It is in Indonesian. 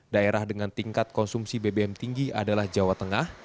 daerah dengan tingkat konsumsi bbm tinggi adalah jawa tengah